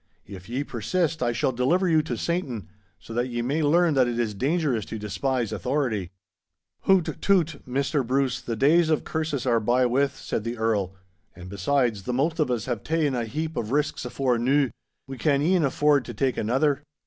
If ye persist, I shall deliver you to Satan, so that ye may learn that it is dangerous to despise authority. 'Hoot toot, Maister Bruce, the days of curses are by with,' said the Earl, 'and, besides, the most of us have ta'en a heap of risks afore noo. We can e'en afford to take another.